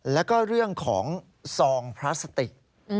แล้วก็เรื่องของซองพลาสติก